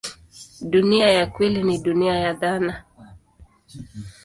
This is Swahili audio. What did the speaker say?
Dunia ya kweli ni dunia ya dhana.